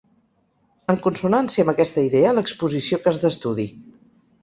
En consonància amb aquesta idea, l’exposició Cas d’estudi.